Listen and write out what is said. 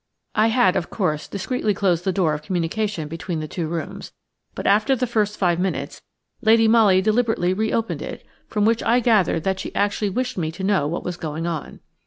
I had, of course, discreetly closed the door of communication between the two rooms, but after the first five minutes, Lady Molly deliberately reopened it, from which I gathered that she actually wished me to know what was going on.